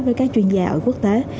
với các chuyên gia ở quốc tế